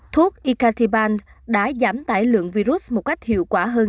thuốc acatiband đã giảm tải lượng virus một cách hiệu quả hơn chín mươi